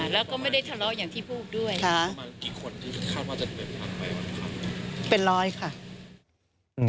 แล้วก็ไม่ได้ทะเลาะอย่างที่พูดด้วย